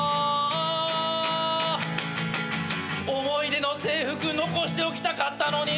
「思い出の制服残しておきたかったのに」